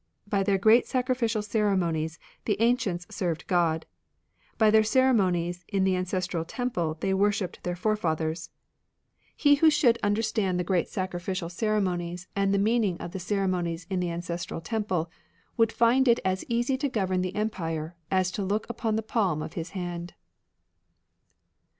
" By their great sacrificial ceremonies the ancients served Grod; by their cere monies in the ancestral temple they worshipped their forefathers. He who should understand 30 THE ANCIENT FAITH the great sacrificial ceremonies, and the meaning of the ceremonies in the ancestral temple, would find it as easy to govern the empire as to look upon the palm of his hand."